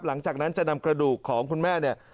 หลังจากนั้นจะนำกระดูกของคุณแม่เนี่ย